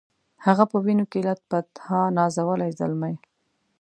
هغه په وینو کي لت پت ها نازولی زلمی